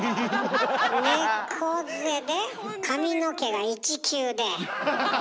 猫背で髪の毛が一九で。